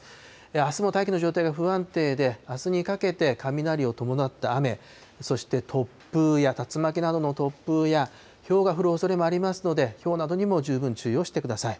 あすも大気の状態が不安定で、あすにかけて雷を伴った雨、そして突風や竜巻などの突風や、ひょうが降るおそれもありますので、ひょうなどにも十分注意をしてください。